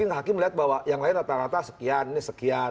hakim melihat bahwa yang lain rata rata sekian ini sekian